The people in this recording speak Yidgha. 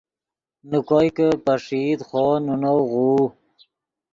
نے کوئے کہ پݰئیت خوو نے نؤ غوؤ